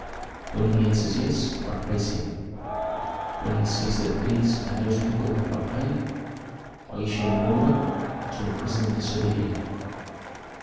When he answers yes, I praise him; when he says that these and those people have not paid, I issue an order to imprison the disobedient.